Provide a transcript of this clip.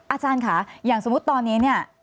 อาจารย์คะอย่างสมมุติตอนนี้